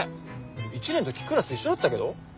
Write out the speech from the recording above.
１年の時クラス一緒だったけど？